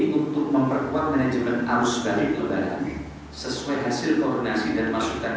untuk memperkuat manajemen arus balik lebaran sesuai hasil koordinasi dan masukan